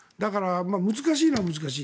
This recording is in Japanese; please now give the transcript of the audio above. だから、難しいのは難しい。